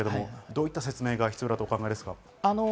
どういった説明が必要だとお考えですか？